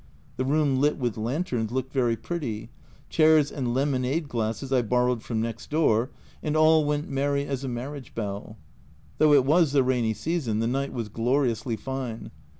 The room lit with lanterns looked very pretty ; chairs and lemonade glasses I borrowed from next door, and all went merry as a marriage bell. Though it was the rainy season, the night was gloriously fine.